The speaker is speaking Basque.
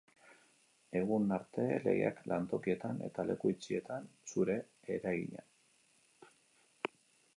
Egun arte, legeak lantokietan eta leku itxietan zuen eragina.